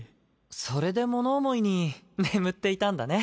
それで物思いに眠っていたんだね。